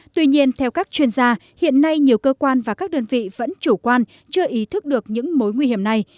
tuy nhiên theo các chuyên gia hiện nay nhiều cơ quan và các đơn vị vẫn chủ quan chưa ý thức được những mối nguy hiểm này